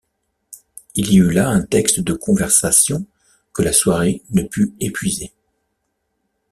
Il y eut là un texte de conversation que la soirée ne put épuiser.